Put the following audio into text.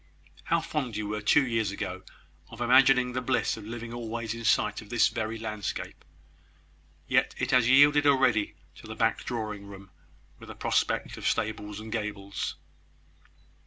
"How fond you were, two years ago, of imagining the bliss of living always in sight of this very landscape! Yet it has yielded already to the back drawing room, with a prospect of stables and gables."